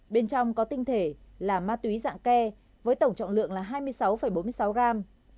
bên trong có tinh thể là ma túy dạng ke với tổng trọng lượng là hai mươi sáu bốn mươi sáu gram